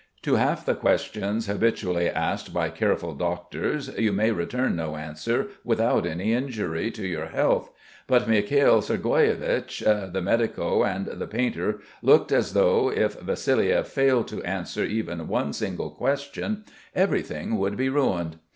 To half the questions habitually asked by careful doctors you may return no answer without any injury to your health; but Mikhail Sergueyich, the medico and the painter looked as though, if Vassiliev failed to answer even one single question, everything would be ruined.